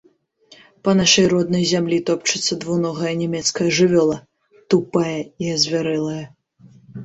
Па нашай роднай зямлі топчацца двуногая нямецкая жывёла, тупая і азвярэлая.